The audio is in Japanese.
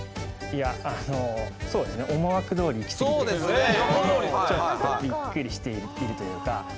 思惑どおりいきすぎてちょっとびっくりというか。